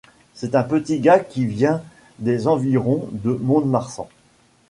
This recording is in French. C’est un petit gars qui vient des environs de Mont-de-Marsan.